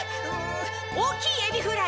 大きいエビフライ！